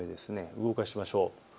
動かしましょう。